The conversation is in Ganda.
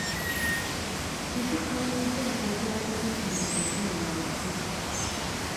Kiki ky'oyinza okwogera ku bizinensi ezimenya amateeka?